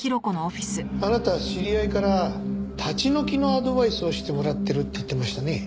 あなた知り合いから立ち退きのアドバイスをしてもらってるって言ってましたね。